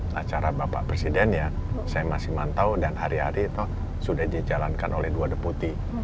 nah cara bapak presiden ya saya masih mantau dan hari hari itu sudah dijalankan oleh dua deputi